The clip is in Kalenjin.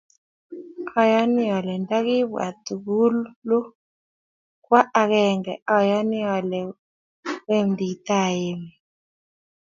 Ayani ale ndakibwa tugulu kwa agenge ayani ale wemdi tai emet